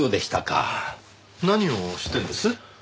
何をしてるんです？